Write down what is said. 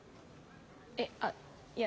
えっあっいや。